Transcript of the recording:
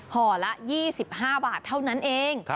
ห่อละ๒๕บาทเท่านั้นเอง